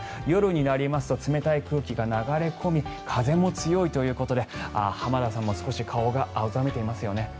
夜になりますと冷たい空気が流れ込み風も強いということで浜田さんも少し顔が青ざめていますよね。